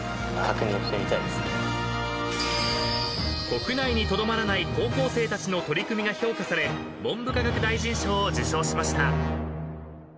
［国内にとどまらない高校生たちの取り組みが評価され文部科学大臣賞を受賞しました］